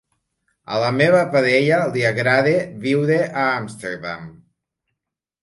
A la meva parella li agrada viure a Amsterdam.